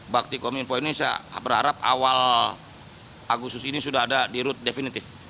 bakti kom info ini saya berharap awal agusus ini sudah ada di route definitif